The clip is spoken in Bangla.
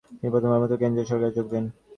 তিনি প্রথমবারের মত কেন্দ্রীয় সরকারে যোগ দেন।